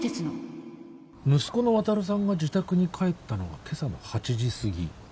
息子の渉さんが自宅に帰ったのが今朝の８時すぎ。